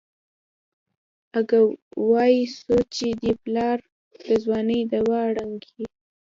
اگه وايي څو چې دې پلار د ځوانۍ دوا رانکي.